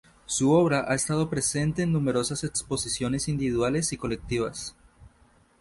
Su obra ha estado presente en numerosas exposiciones individuales y colectivas.